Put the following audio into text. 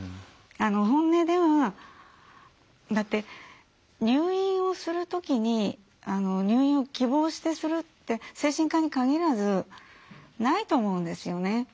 本音ではだって入院をするときに入院を希望してするって精神科にかぎらずないと思うんですよね。